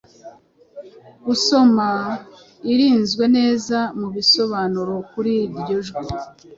Gusoma irinzwe neza mubisobanuro kuri ryo njwi